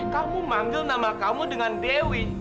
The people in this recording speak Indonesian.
kamu manggil nama kamu dengan dewi